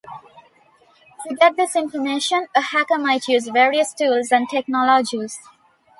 To get this information, a hacker might use various tools and technologies.